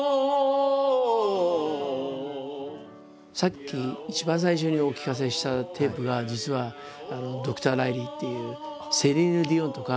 さっき一番最初にお聞かせしたテープが実はドクター・ライリーっていうセリーヌ・ディオンとかシャキーラとか。